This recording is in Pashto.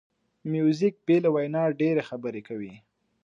موزیک بې له وینا ډېری خبرې کوي.